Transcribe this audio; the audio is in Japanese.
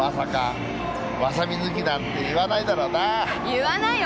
言わないよ。